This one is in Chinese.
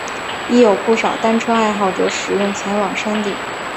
亦有不少单车爱好者使用前往山顶。